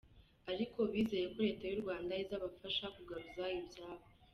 Ariko bizeye ko Leta y’u Rwanda izabafasha kugaruza ibyabo.